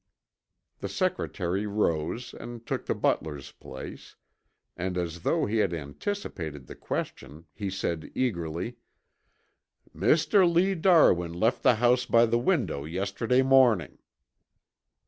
The secretary rose and took the butler's place, and as though he had anticipated the question he said eagerly, "Mr. Lee Darwin left the house by the window yesterday morning."